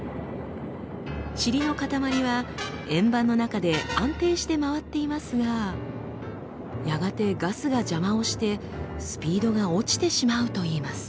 チリのかたまりは円盤の中で安定して回っていますがやがてガスが邪魔をしてスピードが落ちてしまうといいます。